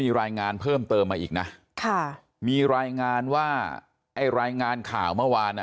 มีรายงานเพิ่มเติมมาอีกนะค่ะมีรายงานว่าไอ้รายงานข่าวเมื่อวานอ่ะ